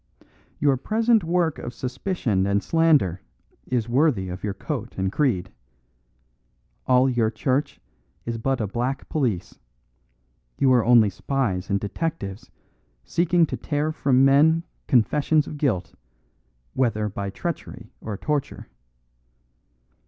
Your present work of suspicion and slander is worthy of your coat and creed. All your church is but a black police; you are only spies and detectives seeking to tear from men confessions of guilt, whether by treachery or torture.